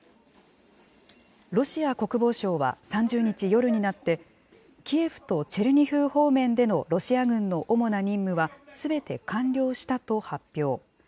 ロシア国防省は３０日夜になって、キエフとチェルニヒウ方面でのロシア軍の主な任務はすべて完了したと発表。